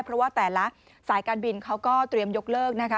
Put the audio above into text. เพราะว่าแต่ละสายการบินเขาก็เตรียมยกเลิกนะคะ